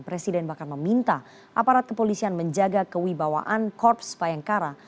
presiden bahkan meminta aparat kepolisian menjaga kewibawaan korps bayangkara